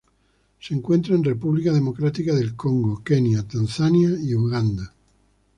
Se encuentra en República Democrática del Congo, Kenia, Tanzania, y Uganda.